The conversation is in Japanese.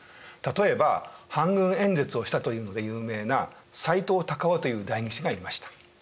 例えば反軍演説をしたというので有名な斎藤隆夫という代議士がいました。